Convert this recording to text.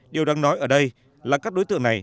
điều đáng nói ở đây là các đối tượng này